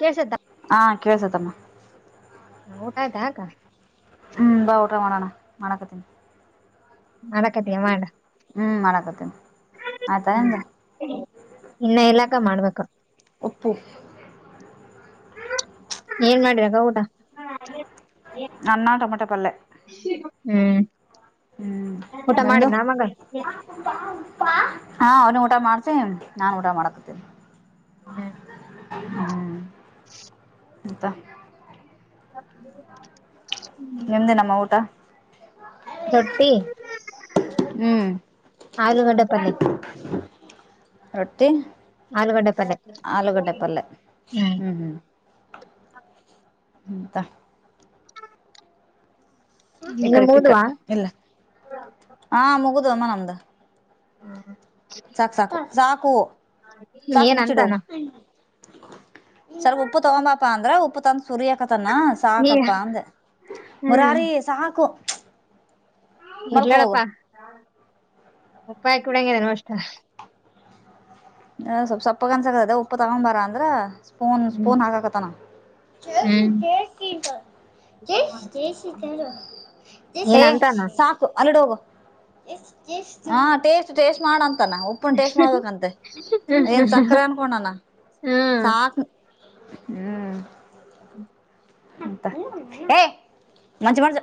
ಕೆಳಸತ್ತಾ. ಆ ಕೇಳಸತಮ್ಮಾ. ಹ ಊಟ ಆಯ್ತಾ ಅಕ್ಕಾ. ಹು ಬಾ ಊಟ ಮಾಡನ ಮಾಡಾಕತ್ತೀನಿ. ಮಾಡಾಕತ್ತಿಯಾ ಮಾಡ. ಹು ಮಾಡಕತ್ತೀನಿ ಆತಾ ನಿಂದ. ಇನ್ನ ಇಲ್ಲಕ್ಕ ಮಾಡ್ಬೇಕು ಉಪ್ಪಿ. ಏನ್ ಮಾಡಿರಕ್ಕಾ ಊಟ ಹಾ ಆಗೆತ. ಅನ್ನಾ ಟೊಮಟೊ ಪಲ್ಲೆ. ಹ್ಮ್ ಊಟ ಮಾಡಿದ್ನಾ ಮಗಾ. ಪಾ ಪಾ ಹಾ ಅವನ ಊಟ ಮಾಡಸೆ ನಾನ್ ಊಟ ಮಾಡಕತ್ತೆನಿ. ಹ್ಮ್ ಹು [inaudible] ಮತ್ತ. ಹು. ನಿಮ್ದೇನಮ್ಮಾ ಊಟ. ರೊಟ್ಟಿ ಹ್ಮ್ ಆಲೂಗಡೆ ಪಲ್ಲೆ. ರೊಟ್ಟಿ ಆಲೂಗಡ್ಡೆ ಪಲ್ಯ ಆಲೂಗಟ್ಟೆಪಲ್ಲೆ ಹ್ಮ್ ಹು ಹು ಹು ಮತ್ತ. ನೀನು ಇಕಡೆ ಇಡೆ ಮೂದ್ವಾ ಇಲ್ಲಾ ಹಾ ಮುಗದು ಅಮ್ಮಾ ನಂದು. ಸಾಕು ಸಾಕು ಸಾಕು ಸಾಕು ಏನ್ ಮುಚ್ಚಿಡು. ಅಂತಾನ ಸ್ವಲ್ಪ ಉಪ್ಪು ತಗೊಂಬಾಪಾ ಅಂದ್ರ ಉಪ್ಪು ತಂದ ಸುರಿಯಾಕತಾನಾ. ನೀ ಸಾಕಪ್ಪಾ ಅಂದೆ ಹ್ಮ್ ಮುರಾರಿ ಸಾಕು. ಮಲ್ಕ ಹೋಗು ಇರ್ಲಾಳಪ್ಪಾ ಪಪ್ಪಾಯ ಕುಡ್ಯಾಗೆನು ಅಷ್ಟ. ಅ ಸ್ವಲ್ಪ ಸೊಪ್ಪ ಅನ್ಸಕತತಾ ಉಪ್ಪು ತಗೊಂಬಾರ ಅಂದ್ರ ಸ್ಪೂನ್ ಹ್ಮ್ ಸ್ಪೂನ್ ಹಾಕಾಕತ್ತಾನ. ಜೈ ಹ್ಮ್ ಸಿಗ ಜೈ ಸಿಗ ಜೈ ಸ್ ಜೈ ಶೆಂಕರ. ಜೈ ಹೆ ಏನ್ ಅಂತಾನ ಸಾಕ್. ಅಲ್ಲಿಡೊಗು ಟೇಸ್ಟ್ ಟೇಸ್ಟ್ ಟೇಸ್ಟ್ ಮಾಡಂತಾನ ಉಪ್ಪನ ಟೇಸ್ಟ್ ಮಾಡ್ಬೇಕಂತ. ಏನ್ ಸಕ್ಕರೆ ಅನ್ಕೋಂಡಾನ ಹ್ಮ್ ಸಾಕ್ ಹು. ಹೆ ಮಂಜ ಮಂಜ.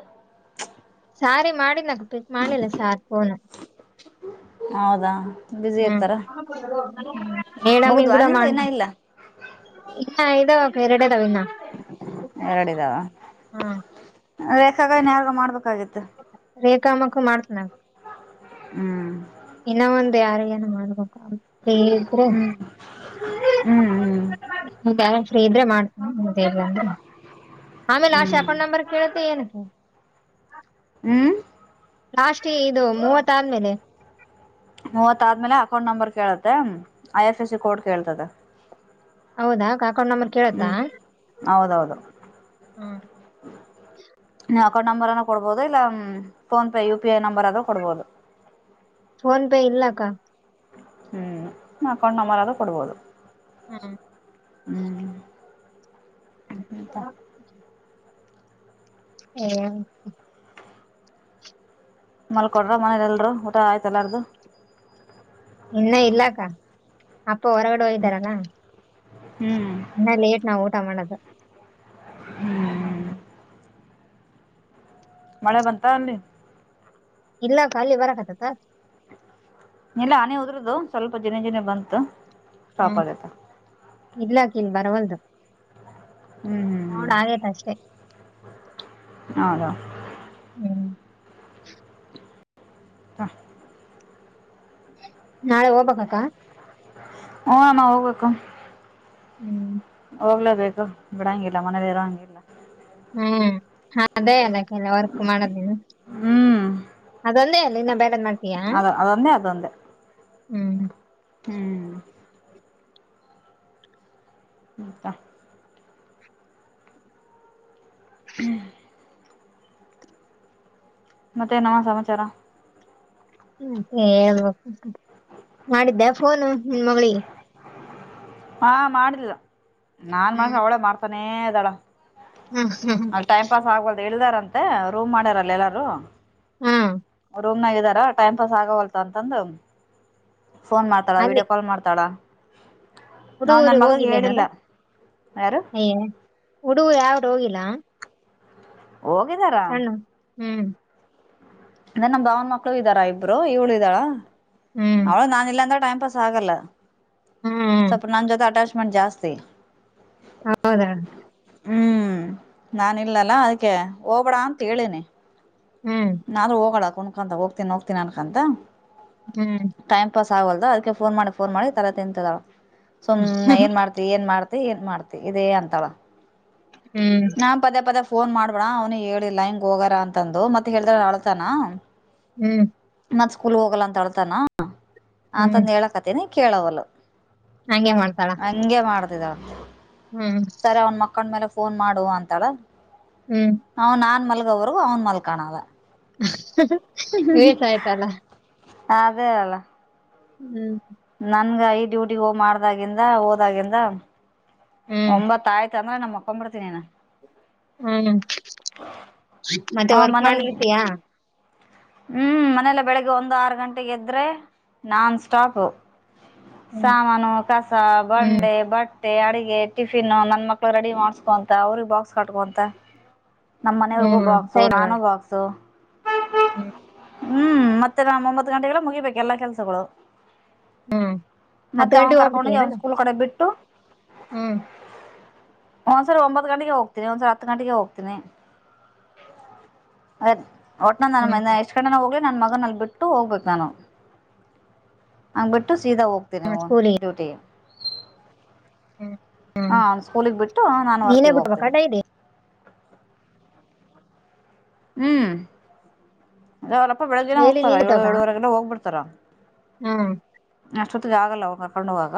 ಸಾರಿಗ ಮಾಡಿದ್ನ ಪಿಕ್ ಮಾಡಿಲ್ಲ ಸಾರ್ ಫೋನ. ಹೌದಾ ಬ್ಯುಸಿ ಇರ್ತಾರ ಹು ಮೇಡಮೀಗೆ ಮುಗುದ್ವಾ ಕೂಡ ನಿಂದು ಮಾಡ. ಇನ್ನ ಇಲ್ಲ ಇನ್ನ ಇದಾವಕ್ಕಾ ಎರಡದಾವ ಇನ್ನ. ಎರಡ ಇದಾವ ಹಾ ರೇಖಾಗೋ ಇನ್ಯಾರಿಗೋ ಮಾಡ್ಬೇಕಾಗಿತ್ತು. ರೇಖಾಮಕ್ಕ ಮಾಡ್ತನ. ಹು ಇನ್ನ ಒಂದು ಯಾರಗೇನ ಮಾಡ್ಬೇಕ ಇದ್ರ ಹ್ಮ್ ಹ್ಮ್ ಬ್ಯಾಲೆನ್ಸ್ ಫ್ರಿ ಇದ್ರ ಮಾಡು ಮತ್ತೆ ಇಲ್ಲಾ ಅಂದ್ರ ಇಲ್ಲಾ. ಆಮೇಲೆ ಹ್ಮ್ ಲಾಷ್ಟ ಹ್ಮ್ ಅಕೌಂಟ್ ನಂಬರ್ ಕೇಳತ್ತಿ ಏನ. ಹ್ಮ್. ಲಾಸ್ಟ್ ಇದು ಮೂವತ್ತ ಆದ್ಮೇಲೆ. ಮೂವತ್ತ ಆದ್ಮೇಲೆ ಅಕೌಂಟ್ ನಂಬರ್ ಕೇಳತ್ತೆ I F C C code ಕೇಳ್ತದೆ. ಹೌದಾ ಕಾಕೊಂಡ್. ಹ್ಮ್ ಹೌದೌದು. ನೀ ಅಕೌಂಟ್ ನಂಬರ್ ಅನ್ನು ಕೊಡಬೋುದು ಇಲ್ಲ PhonePe U P I number ಅ ಕೊಡಬೋದು. Phone pay ಇಲ್ಲಕ್ಕಾ. ಹ್ಮ್ ನ ಕೊಂಡ ಮರದು ಕೊಡ್ಬೋದು. ಹಾ. ಹ್ಮ ಹ್ಮ್. ಹ ಮತ್ತ ಹ. ಹ. ಮಲ್ಕಡ್ರ ಮನಲೆ ಎಲ್ರು ಊಟ ಆಯ್ತ ಎಲ್ಲಾರು. ಇನ್ನ ಇಲ್ಲಾಕ್ಕ ಅಪ್ಪ ಹೊರಗಡೆ ಹೋಗ್ದಾರಾನ. ಹ್ಮ್. ಇನ್ನ ಲೇಟ್ ನಾವ್ ಊಟ ಮಾಡೋದು. ಹ್ಮ್ ಹ್ಮ್. ಮಳೆ ಬಂತ ಅಲ್ಲಿ. ಇಲ್ಲ ಖಾಲಿ ಬರಕತತ್ತ. ಇಲ್ಲ ಹನೆ ಉದ್ರದು ಸ್ವಲ್ಪ ಜನ ಜಿನೇ ಬಂತು. ಸ್ಟಾಪ್ ಹ್ಮ್ ಆಗೈತೆ ಇರ್ಲಾಕಿಲ್ ಬರವಲ್ದು. ನೋಡ ಆೇತ ಅಷ್ಟೇ. ಹೌದ ಹೌದು. ಹ್ಮ್. ಹಾ. ನಾಳೆ ಹೋಗ್ಬಕ್ಕ. ಹ್ನಮ್ಮ ಹೋಗ್ಬೇಕು. ಹ್ಮ್. ಹೋಗ್ಲೇಬೇಕು ಬಿಡಂಗಿಲ್ಲ ಮನೇಲಿ ಇರಂಗಿಲ್ಲ. ಹ್ಮ್ ಹ ಅದೇ ಅದಕ್ಕೆಲ್ಲ ವರ್ಕ್ ಮಾಡದಿಲ್ಲ. ಹ್ಮ್ ಅದೊಂದೇ ಅಲ್ಲ ಇನ್ನ ಬೇಡದ್ ಮಾಡ್ತೀಯಾ ಅದ ಅದೊಂದೇ ಅದೊಂದೇ ಹ್ಮ್. ಹ್ಮ್. ಹಂತ. ಹ್ಮ್. ಮತ್ತೆ ನಮ್ಮ ಸಮಾಚಾರ. ಹ ಹೇಳ್ಬೇಕ ಮಾಡಿದ್ದೆ ಫೋನು ನಿನ್ ಮಗಳಿ. ಹಾ ಮಾಡಿಲ್ಲ ನಾನ್ ಮಾಡಸ ಅವಳೇ ಮಾಡ್ತಾನೆ ಇದ ದಾಡ. ಹಾ ಹಾ. ಅ ಟೈಮ್ ಪಾಸ್ ಆಗ್ಬಾರ್ದದು ಇಳಿದಾರ ಅಂತೆ ರೂಮ್ ಮಾಡ್ಯಾರಲ್ಲ ಎಲ್ಲರೂ. ಹ್ಮ್ ರೂಮ್ನಾಗ ಇದಾರ ಟೈಮ್ ಪಾಸ್ ಆಗವಲ್ತ ಅಂತಂದು. ಫೋನ್ ಮಾಡ್ತಾಳ ಅಲ್ಲಿ ವೀಡಿಯೋ ಕಾಲ್ ಮಾಡ್ತಾಳ. ನಾವ್ ಹುಡುಗರು ನನ್ ಮಗಗ್ ಹೋಗಿಲ್ಲೇನಾರ ಹೇಳಿಲ್ಲ ಯಾರು ಅಯ್ಯೇ ಹುಡುಗ ಯಾವ್ದೂ ಹೋಗಿಲ್ಲಾ. ಹೋಗಿದಾರ. ಸಣ್ಣ ಹ್ಮ್. ಅಂದ್ರ ನಮ್ಮ ಭಾವನ ಮಕ್ಳು ಇದ್ದಾರಾ ಇಬ್ರು ಇವಳು ಇದ್ದಾಳ. ಹ್ಮ್ ಅವಳ ನಾನ ಇಿಲ್ಲ ಅಂದ್ರೆ ಟೈಮ್ ಪಾಸ್ ಆಗಲ್ಲ ಹ್ಮ್ ಸ್ವಲ್ಪ ನನ್ನ ಜೊತೆ ಅಟ್ಯಾಚ್ಮೆಂಟ್ ಜಾಸ್ತಿ ಹೌದ ಹ್ಮ್ ನಾನ ಇಲ್ಲಲ್ಲ ಅದಕ್ಕೆ ಹೋಗಬಡ ಅಂತ ಹೇಳನಿ ಹ್ಮ್ ನಾ್ರೂ ಹೋಗೋಣ ಕ ಕುನ್ಕಾಂತ ಹೋಗ್ತೀಿ ಹೋಗ್ತೀನಿ ಅನ್ಕಂತ ಹ್ಮ್ ಟೈಮ್ ಪಾಸ್ ಆಗಲ್ ಅದ್ಕ್ಕೆ ಫೋನ್ ಮಾಡಿ ಫೋನ್ ಮಾಡಿ ತಾ ತಿಂತದಳ ಸುಮ್ ಏನ್ ಮಾಡ್ತ ಏನ್ ಮಾಡ್ತಿ ಏನ್ ಮಾಡ್ತಿ ಇದೇ ಅಂತಳ ಹ್ಮ್ ಹ ಪದೇ ಪದೇ ಫೋನ್ ಮಾಡ್ಬೇಣ ಅವ್ನಿಗೆ ಹೇಳಿಲ್ಲ ಹಿಂಗ್ ಹೋಗಾರ ಅಂತಂದು ಮತ್ತೆ ಹೇಳಿದ್ರ ಅಳ್ತಾನ ಹ್ಮ್ ಮತ್ತ್ ಸ್ಕೂಲ್ ಹೋಗಲ್ಲ ಅಂತ ಅಳ್ತಾನ ಹ್ಮ್ ಅಂತಂದ ಹೇಳಕತೇನಿ ಕೇಳವಲ್ ಹಂಗೆ ಮಾಡ್ತಾಳ ಹಂಗೆ ಮಾಡ್ತಿದ ಹ್ಮ್ ಸರಿ ಅವನ್ ಮಕ್ಕಂಡ ಮೇಲೆ ಫೋನ್ ಮಾಡುವ ಅಂತಳ ಹ್ಮ್ ಅವನ್ ನಾನ್ ಮಲ್ಗ ಅವರು ಅವನ್ ಮಲ್ಕಾಣಲ್ಲ ವೇಷ ಆಯ್ತ ಅಲ್ಲ ಹ ಅದೇ ಅಲ್ಲ ಹ್ಮ್ ನನ್ಗ ಈ ಡ್ಯೂಟಿಗ ಹೋಗ ಮಾಡ್ದಾಗಿಂದ ಹೋದಾಗಿಂದ ಹ್ಮ್ ಒಂಬತ್ತ ಆ್ತು ಅಂದ್ರ ನಮ್ಮ್ಕೊ್ ಬಿಡ್ತಿನನಿಾ ಹ್ಮ್ ಮತ್ತೆ ಹ ವರ್ಕ್ ಮನೇಲಿ ಮಾಡ್ಲಿರ್ತೀಯಾ ಹ್ಮ್ ಮನೇಲ್ಲ ಬೆಳಿಗ್ಗೆ ಒಂದು್ ಆರು ಗಂಟೆೆಗೆದ್ರೆ ನಾನ್ ಸ್ಟಾಪ್ ಹ್ಮ್ ಸಾಮಾನು ಕಸ ಹ್ಮ್ ಬಂಡಂಡೆ ಬಟ್ಟ ಮತ್ತೆ ಅಡಗೆ ಟಿಫಿನ್ ನನ್ ಮಕ್ಳು ರೆಡಿ ಮಾಡ್ಸ್ಕೊಂತ ಅವ್ರಗ್ ಬಾಕ್ಸ್ ಕಟ್ಕೊಂತ ನಮ್ಮ ಮನೆಯವ್ರಿಗೂ ಹ್ಮ್ ಬಾಕ್ಸು ಟೈಮ್ ನಾನು ಬಾಕ್ಸು ಹ್ಮ್ ಹ್ಮ್ ಮತ್ತೆ ನಾ ಒಂಬತ್ ಗಂಟೆಲ್ಲ ಮುಗಿಬೇಕ ಎಲ್ಲಾ ಕೆಲ್ಸಗಳು ಹ್ಮ್ ಹತ್ತು ಮತ್ತ ಗಂಟೆ ಅವನ್ ಕರ್ಕೊಂಡೋಗಿ ಅವನ್ ಹೋಗ್ಬಿಡ್ತೀಯನಲ್ಲ ಸ್ಕೂಲ್ ಕಡೆ ಬಿಟ್ಟು ಹ್ಮ್ ಒಂದ್ಸರಿ ಒಂಬತ್ತು ಗಂಟೆಗೆ ಹೋಗ್ತೀನಿ ಒಂದ್ಸರಿ ಹತ್ತು ಗಂಟೆಗೆ ಹೋಗ್ತೀನಿ ಟ್ಟಣಂದ ಹ್ಮ್ ಮಂದ ಹೋಗ್ ನ ಮಗನಲ್ಲಿ ಬಿಟ್ಟು ಹೋಗ್ಬೇಕು ನಾನು ನ ಬಿಟ್ಟು ಸೀದಾ ಹೋಗ್ ಜಿನೂ ಹ್ಮ್ ಸ್ಕೂಲಿಗೆ ಡ ಹ್ಮ ಹಾ ಒಂದು ಸ್ೂಲಿಗ್ ಬಿಟ್ಟು ನಾನು ವರ್ಕ್ಿಗೆ ಬಿಟ್ಬೇಕಾ ಹೋಗ್ತೇನನೆ ಡೈಲಿ ಹ್ಮ್ ಅ ಅವರಪ್ಪ ಬೆಳಗ್ ದಿನ ಡೈಲಿ ಹೋಗ್ತಾರ ಏಳು ಏಳುವರೆಗೆಲ್ಲ ಹೋಗ್ಬಿಡ್ತಾರ ಹಾ ಅಷ್ಟೊತ್ತಿಗೆ ಆಗಲ್ಲ ಅವ ಕರ್ಕೊಂಡವಾಗ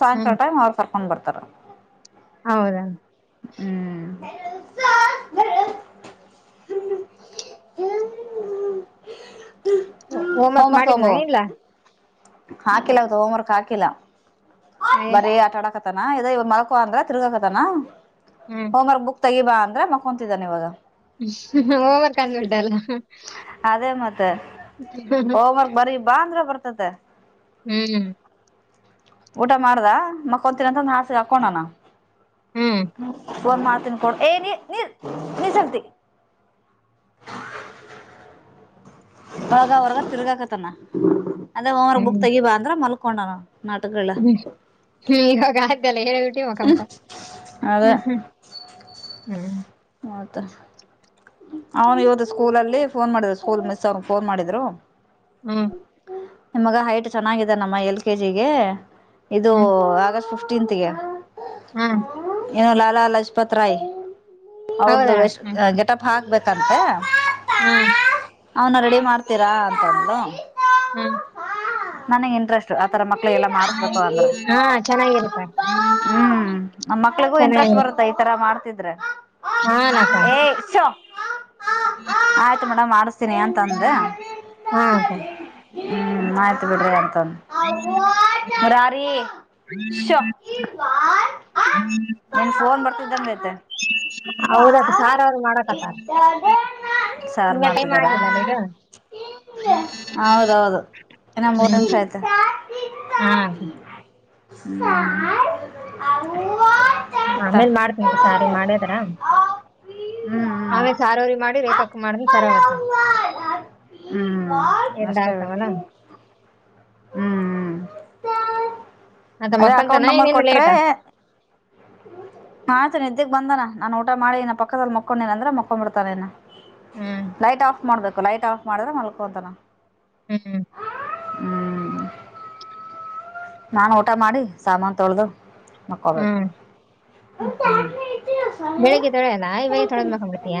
ಸಾಯಂಕಾಲ ಹ್ಮ್ ಟೈಮ್ ಅವ್ರು ಸರ್ಕೊಂಡ್ ಬರ್ತಾರ ಹೌದಾ ಹ್ಮ್ ಹೋಮ್ ವರ್ಕ್ ಹೋಮ್ವರ್ಕ್ ಮಾಡಿದ್ನ ತಗೊಂಬೋಗು ಇಲ್ಲ ಹಾಕಿಲ್ಲ ಇತ್ತು ಹೋಮ್ವರ್ಕ್ ಹಾಕಿಲ್ಲ ಅಯ್ಯ ಬರೀ ಆಟ ಆಡಕ್ ಾನೋ ಇ ಮಳಕ ಅಂದ್ರ ತಿರುಗಾಕ ತಾನ ಹ್ಮ್ ಹೋಮ್ರ್ಕ್ ಬುಕ್ ತೆಗಿಬಾ ಅಂದ್ರೆ ಮಕ್ಕೊಂತಿದ್ದಾನ ಇವಾಗ. ಹೋಂವರ್ಕ್ ಅಂದ್ರೆ ಡಲ್ಲ. ಹೋಮ್ವರ್ಕ್ ಬರಿ‌ ಬಾ ಅಂದ್ರೆ ಬರ್ತತೆ. [inaudible] ಊಟ ಮಾಡ್ದ ಮಕ್ಕೊತೀನಂತಂದ ಹಾಸಿಗೆ ಹಾಕೊಂಡಾನ. ಹ್ಮ್ ಹ್ಮ್ ಫೋನ್ ಮಾಡ್ತನ್ಕೊಡ್ ಏ [unintelligible] ನೀ ನೀ [unintelligible] ನೀ ಸತಿ. [inaudible] ಒಳಗ ಹೊರ್ಗ ತಿರ್ಗಾಕತನ ಅದ ಒ್ವರ್ ಬುಕ್ ಹ್ಮ್ ತೆಗಿ ಬಾ ಅಂದ್ರ ಮಲ್ಕೊಂಡನ. ನಾಟಕಲ್ಲ. ಹ್ಮ್ ಇವಾಗ ಆದಲ್ಲ ಹೇಳ್ಬಿಟ್ಟಿ ಮುಖ ಮುಟ [unintelligible] ಅದೇ ಹ್ಮ್ ಹ್ಮ್ ಹ್ಮ್. [inaudible] ಅವನು ಇವತ್ತು ಸ್ಕೂಲ್ ಅಲ್ಲಿ ಫೋನ್ ಮಾಡಿದ್ರು ಸ್ಕೂಲ್ ಮಿಸ್ ಅವನ್ ಫೋನ್ ಮಾಡಿದ್ರು. ಹ್ಮ್ ನಿಮ್ಮ ಮಗ ಹೈಟ್ ಚೆನ್ನಾಗಿದೆ ನಮ್ಮ ಎಲ್ ಕೆ ಜಿ ಕೆ ಇದು ಹ್ಮ್ ಆಗಸ್ಟ್ ಫಿಫ್ಟ. ಫಿಫ್ಟೀನ್ತಗೆ. [inaudible] ಏನು ಲಾಲಾ ಲಜಪತ್ ರಾಯ್ ಅವರದು ಹೌದಾ ವೇಷ. ಹ್ಮ್ ಹಗ್ಬೇಕಂತೆ. [inaudible] ಅವನ ರೆಡಿ ಮಾಡ್ತೀರಾ ಅಂತಂದು. [inaudible] ನನಗೆ ಇಂಟ್ರೆಸ್ಟ್. ಆತರ ಮಕ್ಳು ಎಲ್ಲ ಮಾಡಸ್ಬೇಕು ಅಂದ್ರೆ ಹಾ ಚೆನ್ನಾಗಿರುತ್ತ ಹ್ಮ್. ನಮ್ ಮಕ್ಳಿಗೂ ಇಂಟ್ರೆಸ್ಟ್ ಚೆನ್ನಾಗಿರುತ್ತೆ ಬರುತ್ತ ಈ ತರ ಮಾಡ್ತಿದ್ರೆ. ಹಾ ನಕ್ಕಾ. ಆಯ್ತ ಮೇಡಮ್ ಮಾಡ್. ತಿನಿ ಅಂತಂದ ಹಾ ಅಕ್ಕ ಹ್ಮ್ ಆಯ್ತು ಬಿಡ್ರಿ ಅಂತಂದು. [inaudible] [inaudible] ನಿನ್ ಫೋನ್ ಬರ್ತಿದ್ದಂಗೈತೆ. [inaudible] [inaudible] ಸಾರ ಅವ್ರು ಮಾಡಕತ್ತರ ಸಾರು ಇನ್ನ ಟೈಮ್ ಮಾಡ್ತಿದಾರಾ ಆಗಿಲ್ಲ ಅಲ್ಲ ಇದು. ಹೌದೌದು ಇನ್ನ ಮೂರು ಹ್ಮ್ ನಿಮಿಷ ಆಯತೆ. [inaudible] [inaudible] ಆ ಮತ್ತ ಆಮೇಲೆ ಮಾಡ್ತನ್ ಹ್ಮ್ ಸಾರಿ ಮಾಡಿದರ. ಆಮೇಗ ಸಾರೋರಿ ಮಾಡಿ ರೇಖಾಕ್ ಮಾಡ್ತಿನಿ ಸರಾಗತ್ತ. ಹ್ಮ್ ಎಂದ ಅಷ್ಟೇ ಆತಾವಲ್ಲ. ಬಿಡು ಹ್ಮ್ ಅದ ಅದೇ ಅಕೌಂಟ್ ಮಕ್ಕಂತನ ನಂಬರ್ ಏನೇನು ಕೊಟ್ರೆ. ಲೇಟ [inaudible] ಆಯ್ತ ನಿದ್ದ್ದಗ್ ಬಂದಾನ ನಾ ಊಟ ಮಾಡಿ ನ ಪಕ್ಕದಲ್ಲಿ ಮಕೊಂಡ ನೀನ್ ಅಂದ್ರೆ ಮಕ್ಕೊಂಡ್ ಬಿತೇನ. [inaudible] ಲೈಟ್ ಆಫ್ ಮಾಡ್ಬೇಕು ಲೈಟ್ ಆಫ್ ಮಾಡಿದ್ರೆ ಮಲ್ಕೊತಾನನ. [inaudible] ನಾು ಊಟ ಮಾಡಿ ಸಾಮಾನು ತೊಳೆದು. ಹ್ಮ ಮಲ್ಕೋಬೇಕು ಹ್ಮ್ ಬೆಳಿಗ್ಗೆ ತೊಳಲ್ಲ ಇವಾಗ ತೊಳದ್ಬ ಮುಕ್ಕೊಂದು ಬಿಡ್ತೀಯ.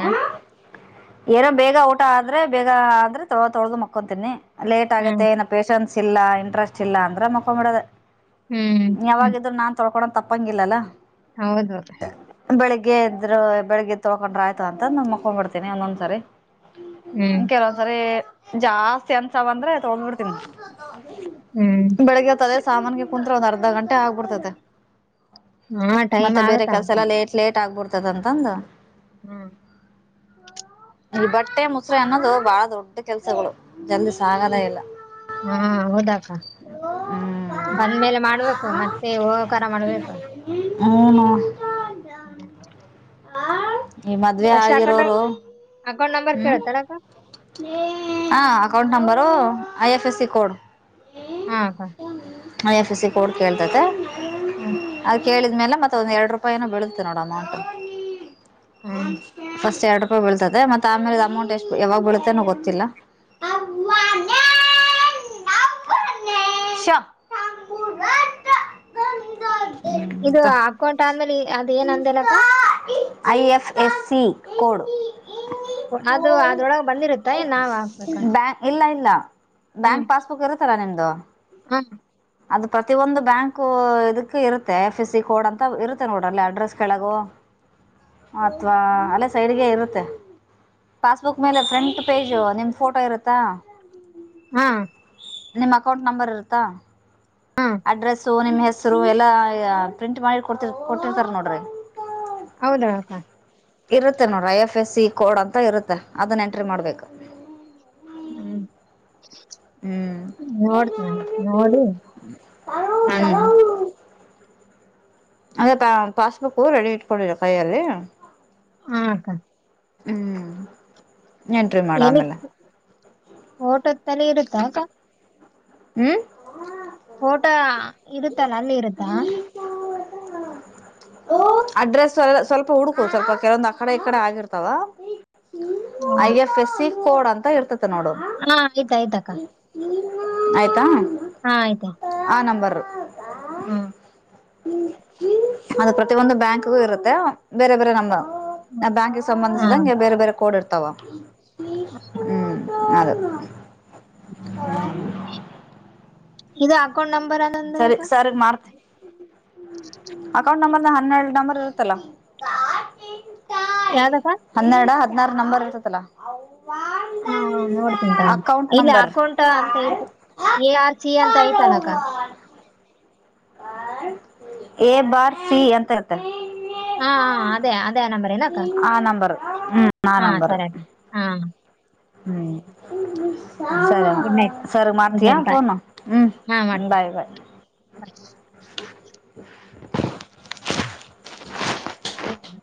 ಏನೋ ಬೇಗ ಊಟ ಆದ್ರೆ ಬೇಗ ಅ್ರೆ ತೊ ತೊಳ್ದ ಮಕ್ಕೊಂತೀನಿ ಲೇಟ್ ಆಗತ್ತೆ ಹ್ಮ್ ಏನಪ್ಪ ಪೇೇಶನ್ಸ್ ಇಲ್ಲ ಇಂಟ್ರೆಸ್ಟ್ ಇಲ್ಲ ಅಂದ್ರೆ ಮಕೊಂಡ್ಬಿಡದ ಹ್ಮ್ ಯಾವಾಗ ಹ್ಮ್ ಇದ್ರ ನಾನ್ ತೊಳ್ಕೊಂಡ್ ತಪ್ಪಂಗಿಲ್ಲಲ್ಲ ಹೌದೌದು ಬೆಳಿಗ್ಗೆ ಇದ್ರು ಬೆಳಗ್ಗೆ ತೊಳ್ಕೊಂಡ್ರ ಆಯ್ತ ಅಂತ ನಾನ ಮಕೊಂಡ್ ಬಿಿಡ್ತೀನಿ ಒಂದೊಂದ್ಸರಿ ಹ್ಮ್ ಕೆಲವೊಂದ್ಸರಿ ಜಾಸ್ತಿ ಅನ್ಸಾವ ಅಂದ್ರೆ ತೊಗ್ ಬಿಿಡ್ತವಿ ಹ್ಮ್ ದ ಸಾಮನ್ಿಗೆ ಕುತ್ ಒಂದ್ ಅರ್ಧ ಗಂಟೆ ಆಗ್ಬಿಡ್ತದೆ ಹಾ ಟೈಮ್ ಮತ್ತೆ ಬೇರೆ ಆಗುತ್ತ ಕೆಲಸ ಎಲ್ಲ ಲೇಟ್ ಲೇಟ್ ಆಗ್ಬಿಡ್ತದಂತಂದು ಹ್ಮ್ ಈ ಬಟ್ಟೆ ಮೊಸರು ಅನ್ನೋದು ಬಹಳ ದೊಡ್ಡ ಕೆಲ್ಸಗಳು ಜಲ್ದಿ ಸಾಗದೇ ಇಲ್ಲ ಹಾ ಹೋದಾಕ ಬಂದ್ಮೇಲೆ ಮಾಡ್ಬೇಕು ಮತ್ತೆ ಹೋಕಾರರ ಮಾಡ್ಬೇಕು ಹಏ ನ ಹ್ಮ್ ಈ ಮದ್ವೆ ಫಸ್ಟ್ ಅಕೌಂಟ್ ಆಗಿರೋರು ಅಕೌಂಟ್ ನಂಬರ್ ಹ್ಮ್ ಕೇಳಳ್ತಾರ ಹಾ account number I F S C code ಹಾ ಹಾ. [unintelligible] ಎಫ್ ಸಿ ಕೋಡ್ ಕೇಳ್ತತೆ. ಹ್ಮ್ [unintelligible] ಕೇಳಿದ್ಮೇಲೆ ಮತ್ತೆ ಒಂದ್ ಎರಡು ರೂಪಾಯ್ ಏನೋ ಬೀಳುತ್ತೆ ನೋಡ್ ಅಮೌಂಟ್. ಹ್ಮ್ ಫಸ್ಟ್ ಎರಡ್ ರೂಪಾಯಿ್ ಬೀಳ್್ದೆ.. [unintelligible] ಮೇಲೆ ಅಮೌಂಟ್ ಎಷ್ಟು್ ಯಾವಾಗ್ ಬೀಳುತ್ತೆನೋ ಗೊತ್ತಿಲ್ಲ ಶ ಇದು ಅಕೌಂಟ್ ಆದ್ಮೇಲಿ ಅದ್ ಏನ್ ಅಂದಲಕ್ಕ. I F S C code ಅದು ಅದ್ರೊಳಗ ಬಂದಿರುತ್ತ ಏನ್ ನಾವ್ ಹಾಕ್ಬೇಕ ಬ್ಯಾ ಇಲ್ಲ ಇಲ್ಲ ಬ್ಯಾಂಕ್ ಪಾಸ್ಬುಕ್ ಇರುತ್ತ್ ಸರ ನಿಂ [unintelligible] ಹಾ ಅದು ಪ್ರತಿಿಯೊಂದು ಬ್ಯಾಂಕು ಇದಕ್ಕು ಇರುತ್ತೆ ಎಫ್ ಸಿ ಕೋಡ್ ಅಂತ ಇರುತ್ತೆ ನೋಡ್ರ್ ಅಲ್ಲೇ ಅಡ್ರೆಸ್ ಕೆೇಳಗೋ ಅತ್ವಾ ಅಲ್ಲೇ ಸೈಡ್ಗೆ ಇರುತ್ತೆ. ಪಾಸ್ಬುಕ್ ಮೇಲೆ ಫ್ರಂಟ್ ಪೇಜು ನಿಮ್ಮ್ ಫೋಟೋ ಇರುತ್ತಾ. ಹಾ ನಿಮ್ಮ್ ಅಕೌಂಟ್ ನಂಬರ್ ಇರುತ್ತಾ ಹಾ ಅಡ್ರೆಸ್ಸು ನಿಮ್ಮ್ ಹೆಸ್ ರು ಎಲ್ಲ ಪ್ರಿಂಟ್ ಮಾಡಿ ಕೊಡ್ತಿ ಕೊಟ್ಟಿರ್ತಾರೆ ನೋಡ್ರಿ. ಹೌದಳಕ್ಕ ಇರುತ್ತೆ ನೋಡ್ರ್ I F S C code ಅಂತ ಇರುತ್ತೆ ಅದನ್ನ್ ಎಂಟ್ರಿ ಮಾಡ್ಬೇಕ್ ಹ್ಮ್ ಹ್ಮ್ ನೋಡ್ತೇನ್ ನೋಡಿ ಮಾಡ್ತೀನ್ ಹ್ಮ್ ಅದೇ [unintelligible] ಪಾಸ್ಬುಕ್ ರೆಡಿ ಇಟ್ಕೊಂಡಿರು ಕೈಯಲ್ಲಿ ಹ ಅಕ್ಕ ಹ್ಮ್ ಎಂಟ್ರಿ ಮಾಡ ಆಮೇಲೆ [unintelligible] ಓಟುತ್ತಲೆ ಇರುತ್ತ ಅಕ ಹ್ಮ್ ಓಟ ಇರುತ್ತಲ್ಲ ಅಲ್ಲಿ ಇರುತ್ತಾ ಅಡ್ರೆಸ್ ಸ್ವಲ್ಪ ಹುಡುಕು ಕೆಲೋಂದು್ ಸ್ವಲ್ಪ ಆಕಡೆ ಈ ಕಡೆ ಆಗಿರ್ತಾವ. ಹ್ಮ್ I F S C code ಅಂತ ಇರ್ತತೆ ನೋಡು. ಹಾ ಆಯ್ತ ಆಯ್ತಾಕ್ಕ. ಆಯ್ತಾ. ಹಾ ಆಯ್ತಾ. ಆ ನಂಬರ್. ಹ್ಮ. ಅದು ಪ್ರತಿಯೊಂದು ಬ್ಯಾಂಕ್ಗೂ ಇರುತ್ತೆ ಬೇರೆ ಬೇರೆ ನಮ್ [unintelligible] ಬ್ಯಾಂಕಿಗೆ ಹಾ ಸಂಬಂಧಿಸಿದಂಗೆ ಬೇರೆ ಬೇರೆ ಕೋಡ್ ಇರ್ತಾವ. ಹ್ಮ. ಹ್ಮ್ ಅದು. ಇದು ಅಕೌಂಟ್ ನಂಬ್. ಸರಿ ಸರಿ ಮಾಡ್ತೆ ಅಕೌಂಟ್ ನಂಬರ್ನ ಹನ್ನೆರಡ್ ನಂಬರ್ ಇರುತ್ತಲ್ಲ. ಯಾದಕ್ಕ ಹನ್ನೆರಡ ಹದ್ನಾರ್ ನಂಬರ್ ಇರ್ತತಲಾ. ಹಾ [unintelligible] ಇಲ್ಲ ನಂಬರ್ ಅಕೌಂಟ ಅಂತ ಇ ಏ ಆರ್ ಚಿ ಅಂತ ಐ್ತಲಕ್ಕ ಎ ಬಾರ್ ಸಿ ಅಂತ್ ಹಾ ಹ ಅದೇ ಅದೇ ಆ ನಂಬರೇನಕ್ಕ ಆ ನಂಬರ್ ಹ್ಮ್ ಆ ಹಾ ನಂಬರ್ ಸರೇಕ ಹಾ ಹ್ಮ್. ಸರಿ ಗುಡ್ ನೈಟ್ ಸರಿ [unintelligible] ಗುಡ್ ಮಾಡ್ತೀಯಾ ನೈಟ್ ಬಾಯ್ ಫೋನು ಹ್ಮ್ ಬಾಯ್ ಬಾಯ್ ಬ [inaudible] [inaudible] ಹ್ಮ